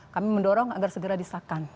kami mendorong agar segera disahkan